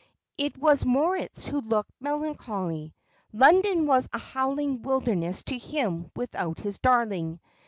It was Moritz who looked melancholy; London was a howling wilderness to him without his darling.